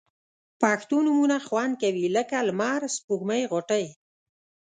پښتو نومونه خوند کوي لکه لمر، سپوږمۍ، غوټۍ